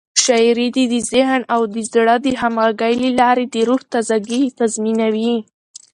شاعري د ذهن او زړه د همغږۍ له لارې د روح تازه ګي تضمینوي.